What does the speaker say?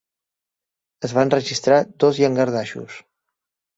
Es van registrar dos llangardaixos.